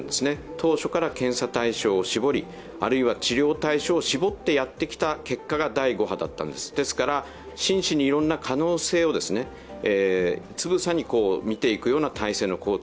当初から検査対象を絞り、あるいは治療対象を絞ってやってきた結果が第５波だったんです、ですから真摯にいろんな可能性をつぶさに見ていくような体制の構築